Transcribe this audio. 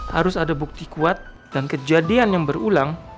harus ada bukti kuat dan kejadian yang berulang